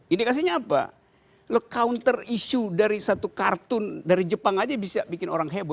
indikasinya apa lo counter issue dari satu kartun dari jepang aja bisa bikin orang heboh